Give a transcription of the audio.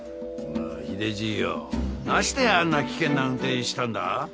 秀じいよなしてあんな危険な運転したんだ？